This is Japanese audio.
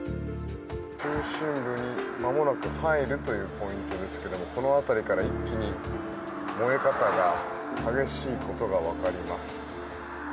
中心部にまもなく入るポイントですけれどもこの辺りから一気に燃え方が激しいことが分かります。